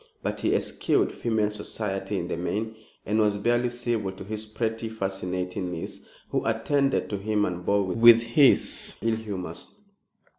But he eschewed female society in the main, and was barely civil to his pretty, fascinating niece, who attended to him and bore with his ill humors.